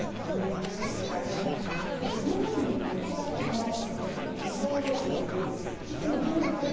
そして、そのときに持ちも出すもの非常用品の準備。